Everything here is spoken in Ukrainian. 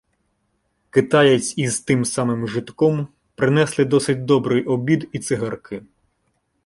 Китаєць із тим самим жидком принесли досить добрий обіді цигарки.